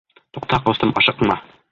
Туҡта, ҡустым, ашыҡма!